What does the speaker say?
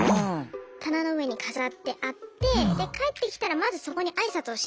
棚の上に飾ってあってで帰ってきたらまずそこにあいさつをしなくてはいけない。